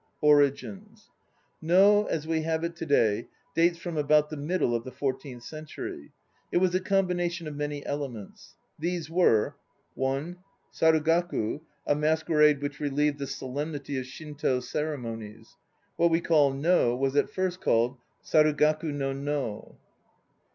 ORIGINS. No as we have it to day dates from about the middle of the 14th century. It was a combination of many elements. These were: (1) Sarugaku, a masquerade which relieved the solemnity of Shinto ceremonies. What we call No was at first called Sarugaku no No.